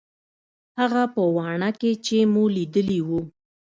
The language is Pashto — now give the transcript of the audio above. هغه په واڼه کښې چې مو ليدلي وو.